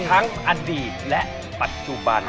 ทั้งอดีตและปัจจุบัน